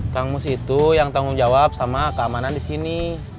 kamus itu yang tanggung jawab sama keamanan di sini